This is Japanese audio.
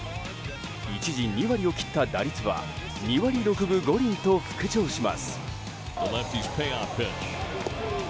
一時２割を切った打率は２割６分５厘と復調します。